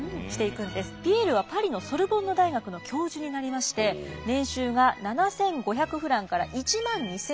ピエールはパリのソルボンヌ大学の教授になりまして年収が７，５００フランから１万２，０００フラン。